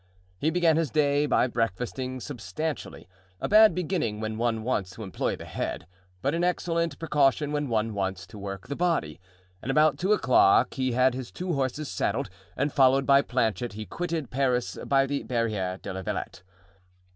He began his day by breakfasting substantially—a bad beginning when one wants to employ the head, but an excellent precaution when one wants to work the body; and about two o'clock he had his two horses saddled, and followed by Planchet he quitted Paris by the Barriere de la Villete.